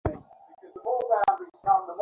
তিনি এরপর সারাজীবন ফারসি ভাষায় ক্রমাগত লিখছিলেন।